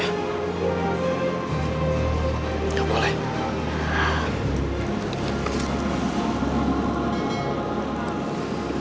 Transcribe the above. lo gak boleh